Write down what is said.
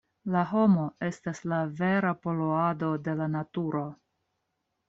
La homo estas la vera poluado de la naturo!